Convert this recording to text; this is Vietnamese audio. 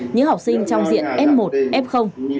những học sinh trong diện f một f